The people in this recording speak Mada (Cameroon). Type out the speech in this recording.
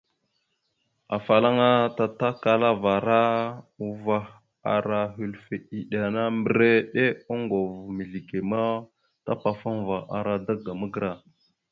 Afalaŋana tatakalavara uvah a ara hœləfe iɗena mbəriɗe ongov mizləge ma tapafaŋva ara daga magəra.